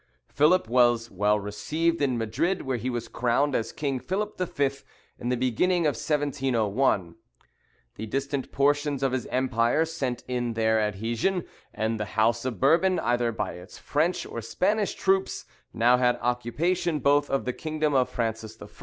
Philip was well received in Madrid, where he was crowned as King Philip V. in the beginning of 1701. The distant portions of his empire sent in their adhesion; and the house of Bourbon, either by its French or Spanish troops, now had occupation both of the kingdom of Francis I.